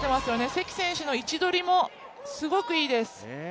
関選手の位置取りもすごくいいです。